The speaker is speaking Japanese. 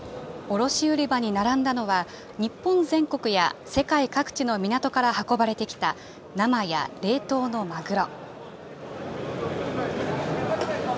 卸売り場に並んだのは、日本全国や世界各地の港から運ばれてきた生や冷凍のマグロ。